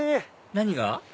何が？